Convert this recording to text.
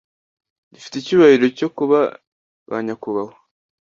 Dufite icyubahiro cyo kuba banyakubahwa